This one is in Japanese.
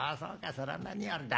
そら何よりだ。